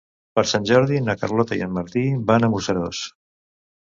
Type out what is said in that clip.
Per Sant Jordi na Carlota i en Martí van a Museros.